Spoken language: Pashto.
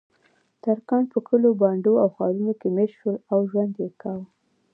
ترکان په کلیو، بانډو او ښارونو کې میشت شول او ژوند یې پکې کاوه.